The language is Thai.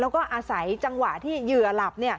แล้วก็อาศัยจังหวะที่เหยื่อหลับ